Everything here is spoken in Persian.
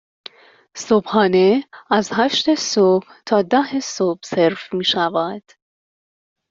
صبحانه از هشت صبح تا ده صبح سرو می شود.